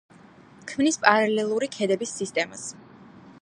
ქმნის პარალელური ქედების სისტემას.